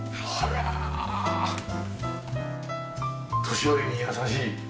年寄りに優しい。